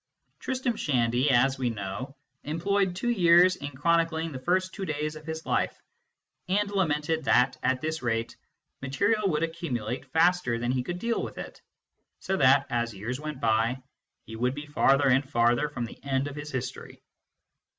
Tristram Shandy, as we know, employed two years in chronicling the first two days of his life, and lamented that, at this rate, material would accumulate faster than he could deal with it, so that, as years went by, he would be farther and farther from the end of his history.